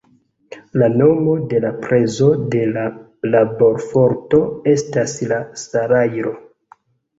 La nomo de la prezo de la laborforto estas la salajro.